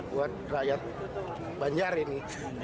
buat rakyat banjar ini